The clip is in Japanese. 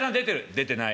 「出てない」。